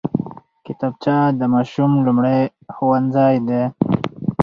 کتابچه د ماشوم لومړی ښوونځی دی